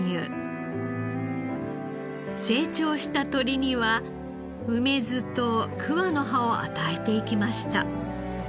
成長した鶏には梅酢と桑の葉を与えていきました。